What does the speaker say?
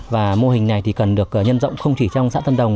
và mô hình này thì cần được nhân rộng không chỉ trong xã tân đồng